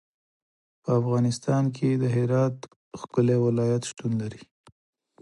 په افغانستان کې د هرات ښکلی ولایت شتون لري.